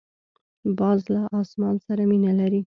باز له اسمان سره مینه لري